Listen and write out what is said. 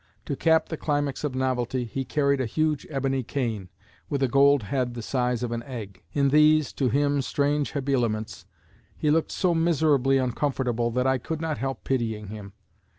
To cap the climax of novelty, he carried a huge ebony cane, with a gold head the size of an egg. In these, to him, strange habiliments, he looked so miserably uncomfortable that I could not help pitying him.